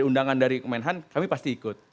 undangan dari kemenhan kami pasti ikut